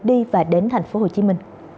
đi và đến tp hcm